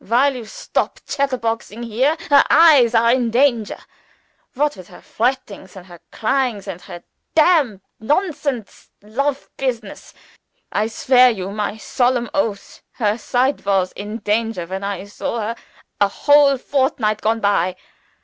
While you stop chatterboxing here, her eyes are in danger. What with her frettings and her cryings and her damn nonsense lofe business, I swear you my solemn oath her sight was in danger when I saw her a whole fortnight gone by.